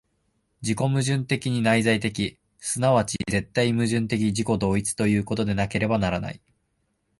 自己矛盾的に内在的、即ち絶対矛盾的自己同一ということでなければならない。